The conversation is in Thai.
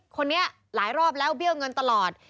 คนนี้หลายรอบแล้วเบี้ยวเงินตลอด